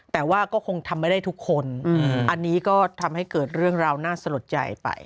แต่ว่าก็คงทำไม่ได้ทุกคนอันนี้ก็ทำให้เกิดเรื่องราวน่าสะลดใจไป